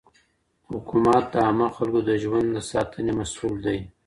حکومت د عامه خلګو د ژوند د ساتني مسئول دی.